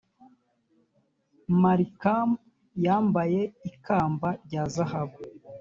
malikamu yambaye ikamba rya zahabu.